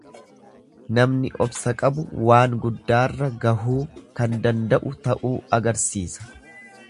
Namni obsa qabu waan guddaarra gahuu kan danda'u ta'uu agarsiisa.